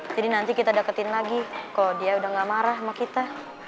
nanti kita deketin lagi kok dia udah gak marah sama kita